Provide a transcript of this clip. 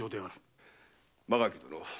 間垣殿。